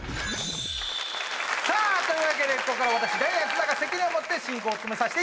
さあというわけでここから私ダイアン津田が責任を持って進行を務めさせていただきます。